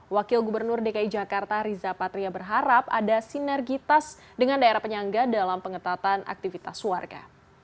wakil gubernur dki jakarta riza patria berharap ada sinergitas dengan daerah penyangga dalam pengetatan aktivitas warga